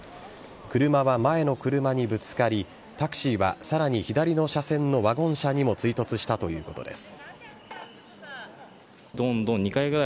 車は前の車にぶつかりタクシーはさらに左の車線のワゴン車にも追突したということです。